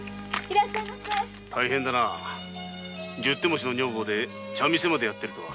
大変だな十手持ちの女房で茶店までやっているとは。